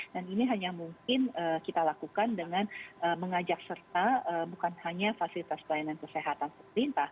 dan ini hanya mungkin kita lakukan dengan mengajak serta bukan hanya fasilitas pelayanan kesehatan perpintah